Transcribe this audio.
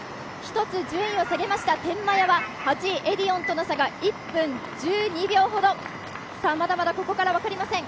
１つ順位を下げました天満屋は、８位エディオンとの差が１分１２秒ほど、まだまだここから分かりません。